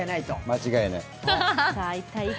間違いない。